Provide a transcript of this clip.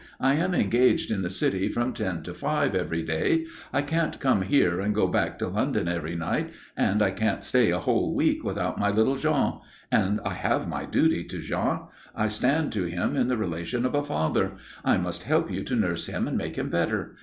"I am engaged in the city from ten to five every day. I can't come here and go back to London every night, and I can't stay a whole week without my little Jean. And I have my duty to Jean. I stand to him in the relation of a father. I must help you to nurse him and make him better.